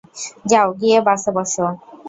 যাও গিয়ে বাসে বসো।